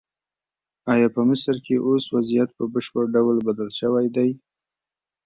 ایا په مصر کې اوس وضعیت په بشپړ ډول بدل شوی دی؟